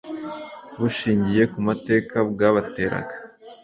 Bushingiye ku mateka bwabateraga